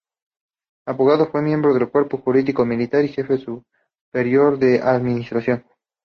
Abogado, fue miembro del cuerpo jurídico militar y jefe superior de Administración.